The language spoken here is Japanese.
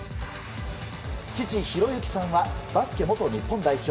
父・浩之さんはバスケ元日本代表。